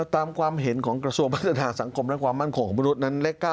ตามความเห็นของกระทรวงพัฒนาสังคมและความมั่นคงของมนุษย์นั้นเลข๙